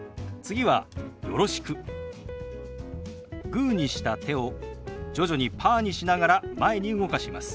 グーにした手を徐々にパーにしながら前に動かします。